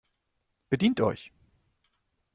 Bedient euch!